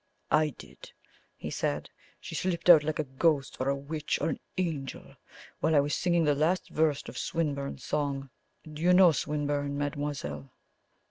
"I did," he said. "She slipped out like a ghost, or a witch, or an angel, while I was singing the last verse of Swinburne's song. Do you know Swinburne, mademoiselle?"